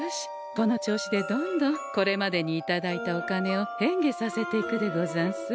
この調子でどんどんこれまでに頂いたお金を変化させていくでござんす。